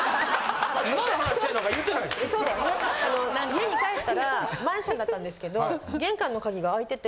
家に帰ったらマンションだったんですけど玄関の鍵が開いてて。